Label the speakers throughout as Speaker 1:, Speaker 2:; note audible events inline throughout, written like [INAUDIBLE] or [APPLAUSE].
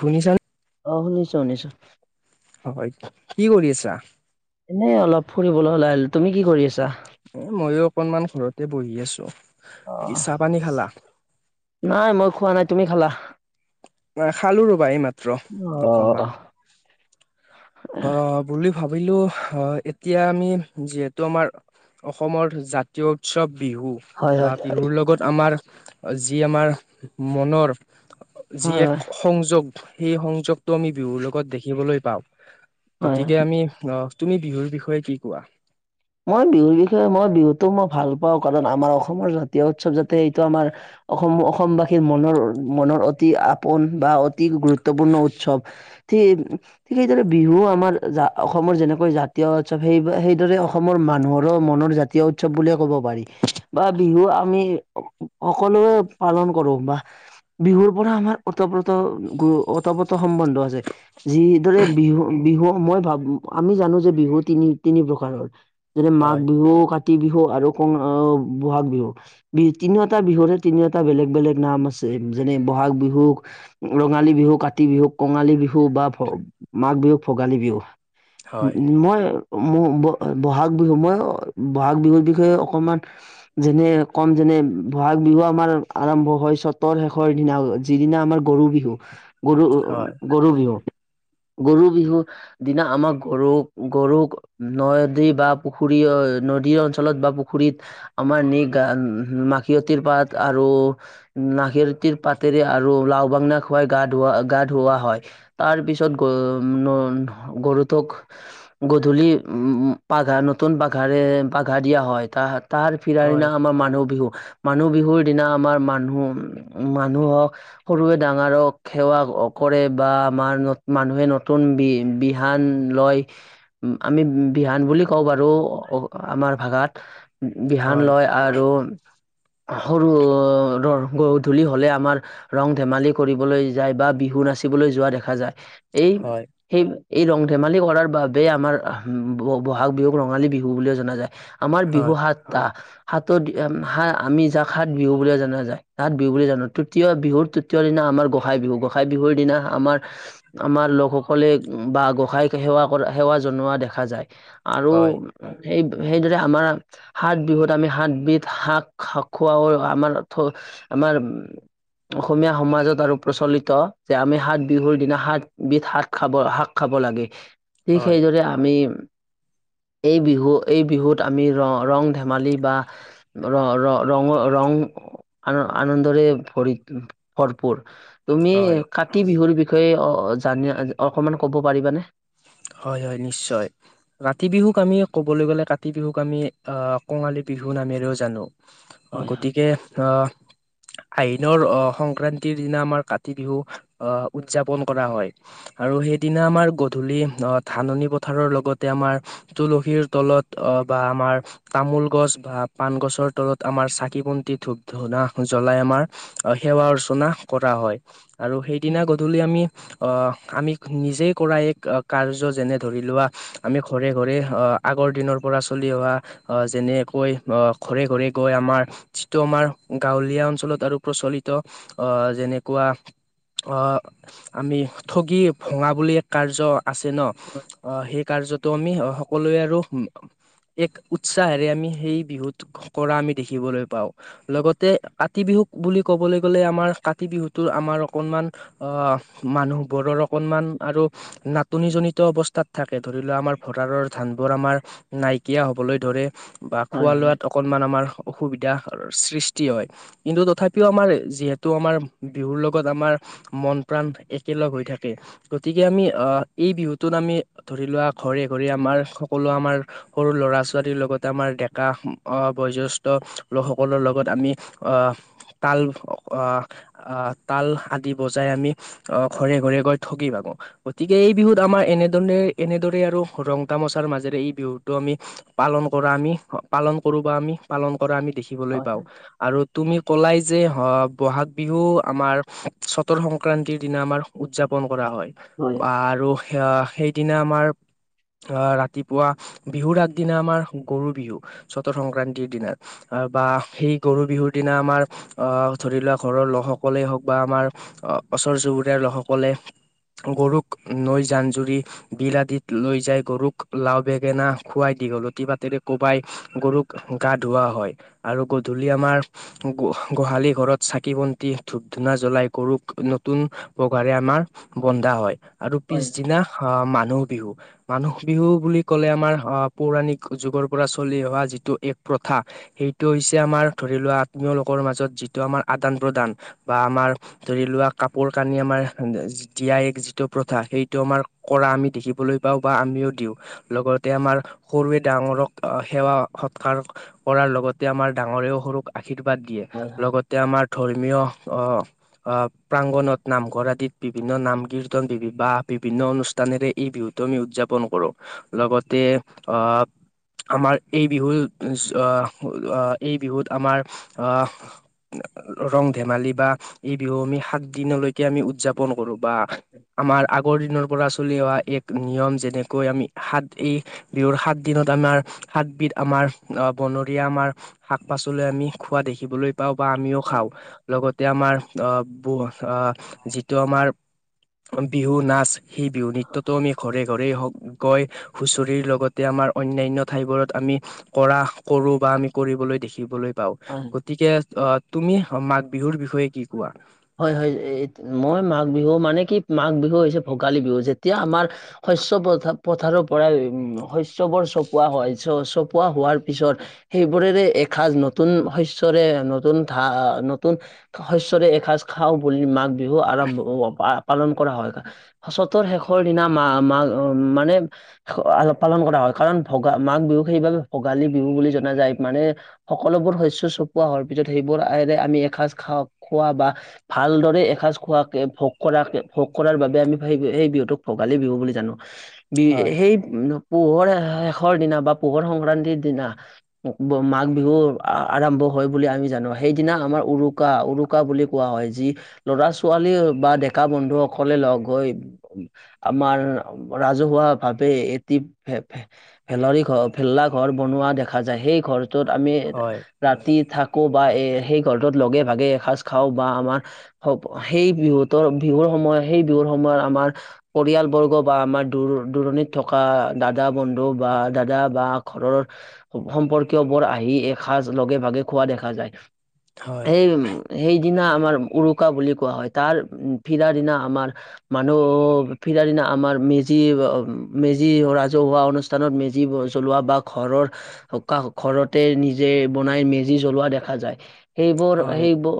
Speaker 1: শুনিছান?
Speaker 2: অ শুনিছো শুনিছো।
Speaker 1: হয় কি কৰি আছা?
Speaker 2: এ অলপ ফুৰিবলৈ ওলাই আহিলো। তুমি কি কৰি আছা?
Speaker 1: এ মইয়ো অকনমান ঘৰতে বহি আছো।
Speaker 2: অ
Speaker 1: চাহ পানী খালা?
Speaker 2: নাই মোক তুমি খালা
Speaker 1: খালো ৰবা এই মাত্ৰ
Speaker 2: অ
Speaker 1: অকনমান অ ভাবিলো এতিয়া আমি যিহেতু আমাৰ অসমৰ জাতীয় উৎসৱ বিহু
Speaker 2: হয় হয়
Speaker 1: বা
Speaker 2: হয়
Speaker 1: বিহুৰ লগত আমাৰ যি আমাৰ মনৰ যি
Speaker 2: হয় হয়
Speaker 1: এক সংযোগ সেই সংযোগটো আমি বিহুৰ লগত দেখিবলৈ পাওঁ
Speaker 2: হয় হয়
Speaker 1: গতিকে আমি অহ তুমি বিহুৰ বিষয়ে কি কোৱা?
Speaker 2: মই বিহুৰ বিষয়ে মই বিহুতো মই ভাল পাওঁ। কাৰণ আমাৰ অসমৰ জাতীয় উৎসৱ যাতে এইটো আমাৰ অসম অসমবাসীৰ মনৰ মনৰ অতি আপোন বা অতি গুৰুত্বপূৰ্ণ উৎসৱ ঠিক সেইদৰে বিহু আমাৰ জা অসমৰ যেনেকৈ জাতীয় উৎসৱ সেই সেইদৰে অসমৰ মানুহৰো মনৰ জাতীয় উৎসৱ বুলিয়ে ক'ব পাৰি বা বিহু আমি সকলো পালন কৰো বা বিহুৰ পৰা আমাৰ ওতঃপ্ৰোত ই ওতঃপ্ৰোত সম্বন্ধ আছে। যিদৰে বিহু বিহু মই ভাবো আমি জানো যে বিহু তিনি তিনি প্ৰকাৰৰ যেনে মাঘ
Speaker 1: হয়
Speaker 2: বিহুও কা কাতি বিহু আৰু ক বহাগ বিহু। ব তিনিওটা বিহুৰে তিনিওটা বেলেগ বেলেগ নাম আছে। যেনে বহাগ বিহুক ৰঙালী বিহু কাতি বিহুক কঙালী বিহু বা মাঘ বিহু ভোগালী বিহু
Speaker 1: হয়
Speaker 2: মই ম বহাগ বিহু মই বহাগ বিহুৰ বিষয়ে অকমান যেনে ক'ম যেনে বহাগ বিহু আমাৰ আৰম্ভ হয় চতৰ শেষৰ দিনালৈ যিদিনা আমাৰ গৰু বিহু। গৰু
Speaker 1: হয়
Speaker 2: গৰু বিহু গৰু বিহুৰ দিনা আমাৰ গৰু গৰুক নয় দী বা পুখুৰী নদীৰ অঞ্চলত বা পুখুৰীত আমাৰ নি গা মাখিয়তিৰ পাত নি তাত আৰু নাহেৰতিৰ পাতেৰে আৰু লাও বাংনা খুৱাই গা ধোৱা গা ধুৱা হয়। তাৰ পিছত গ উ গৰুটোক গধূলি উম। বাঘা নতুন বাঘাৰে বাঘা দিয়া হয় তাহ তাৰ ফিৰা দিনা
Speaker 1: হয়
Speaker 2: আমাৰ মানুহ বিহু মানুহ বিহুৰ দিনা আমাৰ মানুহ উ মানুহক সৰুৱে ডাঙৰক সেৱা কৰে বা আমাৰ মানুহে নতুন বি বিহান লয় আমি বিহান বুলি কওঁ বাৰু আমাৰ ভাষাত বিহান
Speaker 1: হয়
Speaker 2: লয় আৰু
Speaker 1: [INAUDIBLE]
Speaker 2: সৰু ৰ গধূলি হলে আমাৰ ৰং ধেমালি কৰিবলৈ যায় বা বিহু নাচ নাচিবলৈ যোৱা দেখা যায় এই
Speaker 1: হয়
Speaker 2: সেই এই ৰং ধেমালি কৰাৰ বাবে আমাৰ বহাগ বিহুক ৰঙালী বিহু বুলিও জনা যায় আমাৰ বিহু
Speaker 1: হয়
Speaker 2: সাতটা সাতত আমি যাক সাত বিহু বুলি জনা যায় হাত বিহু বুলি জানো তৃতীয় বিহুৰ তৃতীয় দিনা আমাৰ গোঁসাই বিহু গোসাই বিহুৰ দিনা আমাৰ আমাৰ লোকসকলে বা গোঁসাইক সেৱা কৰা সেৱা জনোৱা দেখা যায় আৰু
Speaker 1: হয়
Speaker 2: সেই সেইদৰে আমাৰ সাত বিহুত আমি সাতবিধ শাক খোৱাও আমাৰ আমাৰ উম অসমীয়া সমাজত আৰু প্ৰচলিত যে আমি সাত বিহুৰ দিনা সাতবিধ শাক খাব শাক খাব লাগে ঠিক
Speaker 1: হয়
Speaker 2: সেইদৰে আমি
Speaker 1: [INAUDIBLE]
Speaker 2: এই বিহু এই বিহুত আমি ৰ ৰং ধেমালি বা ৰ ৰ ৰঙ ৰং আন আনন্দৰে ভৰি ভৰপুৰ তুমি
Speaker 1: হয়,
Speaker 2: কাতি বিহুৰ বিষয়ে জান অকমান ক'ব পাৰিবানে
Speaker 1: হয় হয় নিশ্চয় কাতি বিহুক আমি কবলৈ গ'লে কাতি বিহুক আমি অ কঙালী বিহু বিহু নামেৰেও জানো আহ গতিকে আহ আহ দি সংক্ৰান্তিৰ দিনা আমাৰ কাতি বিহু আহ উদযাপন কৰা হয় আৰু সেইদিনা আমাৰ গধূলি অ ধাননি পথাৰৰ লগতে আমাৰ তুলসীৰ তলত অ বা আমাৰ তামোল গছ বা পাণ গছৰ তলত আমাৰ চাকি বন্তি ধূপ ধূনা জ্বলাই আমাৰ সেৱা অৰ্চনা কৰা হয় আৰু সেইদিনা গধূলি আমি আহ আমি নিজেই কৰা এক কাৰ্য যেনে ধৰি লোৱা আমি ঘৰে ঘৰে আগৰ দিনৰ পৰা চলি অহা যেনে কৈ আহ ঘৰে ঘৰে গৈ আমাৰ যিটো আমাৰ গাঁৱলীয়া অঞ্চলত আৰু প্ৰচলিত যেনেকুৱা আমি ঠগি ভঙা বুলি কাৰ্য আছে ন আহ সেই কাৰ্যতো আমি সকলোৱে আৰু এক উৎসাহেৰে আমি সেই বিহুত কৰা আমি দেখিবলৈ পাওঁ লগতে কাতি বিহুত বুলি ক'বলৈ গ'লে আমাৰ কাতি বিহুতো আমাৰ অকনমান অ মানুহ বোৰৰ অকনমান আৰু নানান টনি জনিত অৱস্থাত থাকে ধৰি লোৱা আমাৰ ভঁৰালৰ ধানবোৰ আমাৰ নাইকিয়া হবলৈ ধৰে বা খোৱা লোৱাত অকনমান আমাৰ অসুবিধা সৃষ্টি হয় কিন্তু তথাপিও আমাৰ যিহেতু আমাৰ বিহুৰ লগত আমাৰ মন প্ৰাণ একেলগ হৈ থাকে গতিকে আমি আহ এই বিহুতত আমি ধৰি লোৱা ঘৰে ঘৰে আমাৰ সকলো আমাৰ সৰু ল'ৰা ছোৱালীৰ লগতে আমাৰ ডেকা বয়েষ্ঠ লোকসকলৰ লগত আমি আহ তাল আহ তাল আদি বজাই আমি অ ঘৰে ঘৰে গৈ ঠগি বাগো গতিকে এই বিহুত আমাৰ এনেদৰণ এনেদৰে আৰু ৰং তামচাৰ মাজেৰে এই বিহুটো আমি পালন কৰা আমি পালন কৰো বা আমি পালন কৰা আমি দেখিবলৈ পাওঁ আৰু তুমি কলাই যে অ বহাগ বিহু আমাৰ চতৰ সংক্ৰান্তিৰ দিনা আমাৰ উদযাপন কৰা হয় বা আৰু স সেইদিনা আমাৰ আহ ৰাতিপুৱা বিহুৰ আগদিনা আমাৰ গৰু বিহু চতৰ সংক্ৰান্তিৰ দিনা বা সেই গৰু বিহুৰ দিনা আমাৰ ধৰি লোৱা ঘৰৰ লোকসকলেই হওক বা আমাৰ ওচৰ চুবুৰীয়াৰ লোকসকলে গৰুক নৈ জান-জুৰি বিল আদিত লৈ যায় গৰুক লাও বেঙেনা খুৱাই দীঘলতি পাটৰে কোবাই গৰুক গা ধৱা হয় আৰু গধূলি আমাৰ গোহালি ঘৰত চাকি বন্তি ধূপ ধূনা জ্বলাই গৰুক নতুন বগাৰে আমাৰ বন্ধা হয় আৰু পিছদিনা মানুহ বিহু মানুহ বিহু বুলি ক'লে আমাৰ অ পৌৰাণিক যুগৰ পৰা চলি অহা যিটো প্ৰথা সেইটো হৈছে আমাৰ ধৰি লোৱা আত্মীয় লোকৰ মাজত যিটো আমাৰ আদান প্ৰদান বা আমাৰ ধৰি লোৱা কাপোৰ কানি আমাৰতিয়াই প্ৰ সেইটো আমাৰ কৰা আমি দেখিবলৈ পাও বা আমিও দিওঁ লগতে আমাৰ সৰুৱে দাম ডাঙৰক সেৱা সৎকাৰ কৰাৰ লগতে আমাৰ ডাঙৰেও সৰুক আশীৰ্বাদ দিয়ে লগতে আমাৰ ধৰ্মীয় অ অ প্ৰাংগনত নামঘৰ আদিত বিভিন্ন নামদি নন বিহু বা বিভিন্ন অনুষ্ঠানেৰে এই বিহুতটো আমি উদযাপন কৰোঁ লগতে অ আমাৰ এই বিহু এই বিহুত আমাৰ আহ ৰং ধেমালি বা এই বিহু আমি সাত দিনলৈকে আমি উদযাপন কৰো বা আমাৰ আগৰ দিনৰ পৰা চলি অহা এক নিয়ম যেনেকৈ আমি সাত এই বিহুৰ সাত দিনত আমাৰ হাতবিধ আমাৰ অ বনৰীয়া আমাৰ শাক পাচলি আমি খোৱা দেখিবলৈ পাও বা আমিও খাওঁ লগতে আমাৰ আহ ব আহ যিটো আমাৰ বিহু নাচ সেই বিহু নৃত্যটো আমি ঘৰে ঘৰেই হওক গৈ হুঁচৰি লগতে আমাৰ অন্যান্য ঠাইবোৰত আমি কৰা কৰো বা আমি কৰি দেখিবলৈ পাও গতিকে আহ তুমি মাঘ বিহুৰ বিষয়ে কি কোৱা
Speaker 2: হয় হয় মই মাঘ বিহু মানে কি মাঘ বিহু হৈছে ভোগালী বিহু যেতিয়া আমাৰ শস্যৰ পথাৰৰ পৰাই উম শস্যবোৰ চপোৱা হয় চপোৱা হোৱাৰ পিছত সেইবোৰেৰে এসাঁজ নতুন শস্যৰে নতুন ধা নতুন শস্যৰে এসাঁজ খাওঁ বুলি মাঘ বিহু আৰম্ভ হ পালন কৰা হয় সচতৰ শেষৰ দিনা মা মা মানে পালন কৰা হয়। কাৰণ ভগা মাঘ বিহুক সেইবাবে ভোগালী বিহু বুলি জনা যায় মানে সকলোবোৰ শস্য চপোৱা হয়। ত পিছত সেইবোৰ আেৰে আমি এসাঁজ খা খোৱা বা ভালদৰে এসাঁজ খোৱাকে ভোগ কৰাকে ভোগ কৰাৰ বাবে আমি সেই সেই বিহুটোক ভোগালী বিহু বুলি জানো। বি
Speaker 1: হয়।
Speaker 2: সেই পোহৰ শেষৰ দিনা বা পোহৰ সংক্ৰান্তিৰ দিনা মাঘ বিহু আৰম্ভ হয় বুলি আমি জানো, সেইদিনা আমাৰ উৰুকা-উৰুকা বুলি কোৱা হয়। যি ল'ৰা-ছোৱালী বা ডেকা বন্ধুসকলে লগ হৈ আমাৰ ৰাজহুৱা ভাৱে এটি ভেলৰি ঘৰ ভেল্লা ঘৰ বনোৱা দেখা যায় সেই ঘৰ ত আমি
Speaker 1: হয়
Speaker 2: ৰাতি থাকো বা এ সেই ঘৰটোত লগে ভাগে এসাঁজ খাওঁ বা আমাৰ হ সেই বিহুতৰ বিহুৰ সময়ত সেই বিহুৰ সময়ত আমাৰ পৰিয়াল বৰ্গ বা আমাৰ দুৰ দূৰণিত থকা দাদা বন্ধু বা দাদা বা ঘৰৰ সম্পৰ্কীয় বৰ আহি এসাঁজ লগে ভাগে খোৱা দেখা যায়
Speaker 1: হয়
Speaker 2: সেই সেইদিনা আমাৰ উৰুকা বুলি কোৱা হয় তাৰ উ ফিৰাৰ দিনা আমাৰ মানুহ ফিৰাৰ দিনা আমাৰ মেজি মেজি ৰাজহুৱা অনুষ্ঠানত মেজি জ্বলোৱা বা ঘৰৰ ঘৰ ঘৰতে নিজে বনাই মেজি জ্বলোৱা দেখা যায়। সেইবোৰ
Speaker 1: হয় হয়।
Speaker 2: সেইবোৰ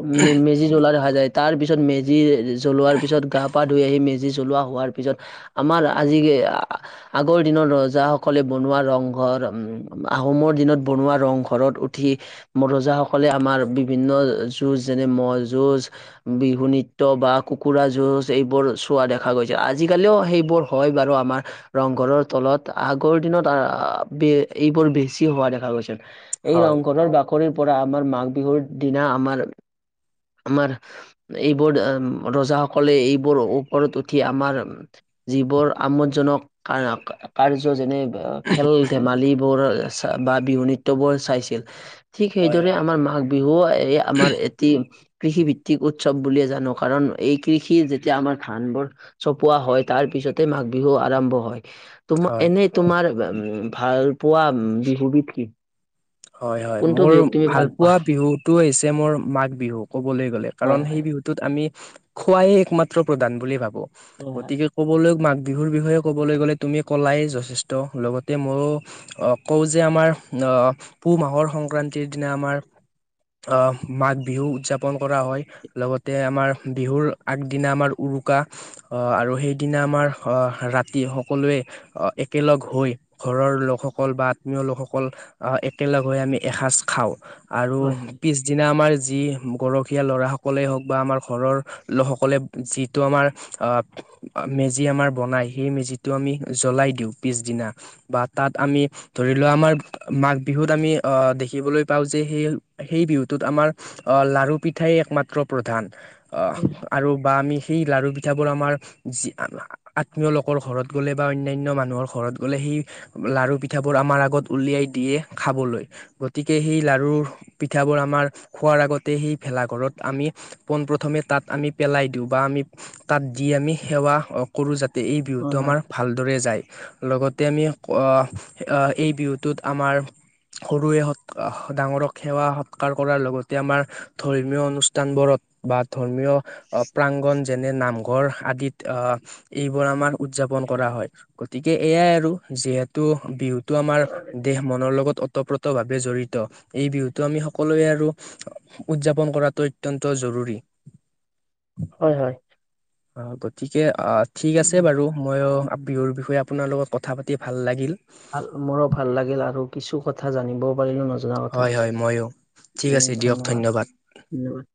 Speaker 2: মেজি জ্বলা দেখা যায় তাৰ পিছত মেজিৰ। জ্বলোৱাৰ পিছত গা পা ধুই আহি মেজি জ্বলোৱা হোৱাৰ পিছত আমাৰ আজি আগৰ দিনৰ ৰজাসকলে বনোৱা ৰং ঘৰ আহোমৰ দিনত বনোৱা ৰং ঘৰত উঠি ৰজাসকলে আমাৰ বিভিন্ন জুজ যেনে ম যুজ বিহু নৃত্য বা কুকুৰা যুঁজ এইবোৰ চোৱা দেখা গৈছে আজিকালিও সেইবোৰ হয়। বাৰু আমাৰ ৰংঘৰৰ তলত আগৰ দিনত এইবোৰ বেছি হোৱা দেখা গৈছে। এই
Speaker 1: হয়
Speaker 2: ৰংঘৰৰ বাকৰিৰ পৰা আমাৰ মাঘ বিহুৰ দিনা আমাৰ আমাৰ এইবোৰ ৰজাসকলে, এইবোৰ ওপৰত উঠি আমাৰ যিবোৰ আমোদজনক কাৰ্য যেনে খেল-ধেমালিবোৰ বা বিহু নৃত্যবোৰ চাইছিল। ঠিক
Speaker 1: হয়
Speaker 2: সেইদৰে আমাৰ মাঘ বিহু, এ আমাৰ এটি কৃষিভিত্তিক উৎসৱ বুলিয়ে জানো, কাৰণ এই কৃষি যেতিয়া আমাৰ ধানবোৰ চপোৱা হয়, তাৰ পিছতে মাঘ বিহু আৰম্ভ হয়। তোমাৰ,
Speaker 1: হয়।
Speaker 2: এনেই তোমাৰ ভাল পোৱা বিহুবিধ কি?
Speaker 1: হয়-হয়,
Speaker 2: কোনটো
Speaker 1: মোৰ
Speaker 2: বিহুক তুমি
Speaker 1: ভাল পোৱা বিহুটো হৈছে মোৰ মাঘ বিহু, ক'বলৈ গলে।
Speaker 2: হয়
Speaker 1: কাৰণ সেই
Speaker 2: হয়
Speaker 1: বিহুটোত আমি খোৱাই একমাত্ৰ প্ৰধান বুলি ভাবো,
Speaker 2: হয়
Speaker 1: গতিকে ক'বলৈ মাঘ বিহুৰ বিষয়ে ক'বলৈ গ'লে তুমি ক'লাই যথেষ্ট, লগতে মইয়ো কওঁ যে আমাৰ আহ, পুহ মাহৰ সংক্ৰান্তিৰ দিনা আমাৰ আহ, মাঘ বিহু উদযাপন কৰা হয়। লগতে আমাৰ বিহুৰ আগদিনা আমাৰ উৰুকা উৰুকা, আহ আৰু সেইদিনা আমাৰ আহ, ৰাতি সকলোৱে একেলগ হৈ ঘৰৰ লোকসকল বা আত্মীয় লোকসকল আহ, এক একেলগ হৈ আমি এসাজ খাওঁ, আৰু
Speaker 2: হয়
Speaker 1: পিছদিনা আমাৰ যি গৰখীয়া ল'ৰা সকলে হওঁক বা আমাৰ ঘৰৰ লোকসকলে যিটো আমাৰ, অ মেজি আমাৰ বনাই, সেই মেজিটো আমি জ্বলাই দিওঁ পিছদিনা বা তাত আমি ধৰি লোৱা আমাৰ মাঘ বিহুত আমি অ, দেখিবলৈ পাওঁ যে সেই-সেই বিহুটোত আমাৰ লাৰু, পিঠাই একমাত্ৰ প্ৰধান। অ,
Speaker 2: হয়
Speaker 1: আৰু বা আমি সেই লাৰু, পিঠাবোৰ আমাৰ যি আত্মীয় লোকৰ ঘৰত গ'লে বা অন্যান্য মানুহৰ ঘৰত গ'লে সেই সেই লাৰু, পিঠাবোৰ আমাৰ আগত উলিয়াই দিয়ে। খাবলৈ, গতিকে সেই লাৰু, পিঠাবোৰ আমাৰ খোৱাৰ আগতে সেই ভেলাঘৰত আমি পোন প্ৰথমে তাত আমি পেলাই দিওঁ বা আমি তাত দি আমি সেৱা কৰো, যাতে তে এই বিহুটো
Speaker 2: হয়
Speaker 1: আমাৰ ভালদৰে যায়। লগতে আমি অ, এই বিহুটোত আমাৰ সৰুৱে সৎ ডাঙৰক সেৱা সৎকাৰ কৰাৰ লগতে আমাৰ ধৰ্মীয় অনুষ্ঠান বোৰ বা ধৰ্মীয় প্ৰাংগন যেনে, নামঘৰ আদিত আহ এইবোৰ আমাৰ উদযাপন কৰা হয়, গতিকে এইয়া আৰু যিহেতু বিহুটো আমাৰ
Speaker 2: হয় হয়
Speaker 1: দেহ মনৰ লগত অতঃপ্ৰত ভাৱে জড়িত, এই বিহুতো আমি সকলোৱে আৰু উদযাপন কৰাটো অত্যন্ত জৰুৰী
Speaker 2: হয় হয়
Speaker 1: অ গতিকে অ ঠিক আছে বাৰু মই বিহুৰ বিষয়ে আপোনাৰ লগত কথা পাতি ভাল লাগিল।
Speaker 2: ভাল মোৰো ভাল লাগিল আৰু কিছু কথা জানিব পাৰিলো নজনা কথা,
Speaker 1: হয় হয় ময়ো ঠিক আছে দিয়ক ধন্যবাদ।
Speaker 2: ধন্যবাদ-ধন্যবাদ।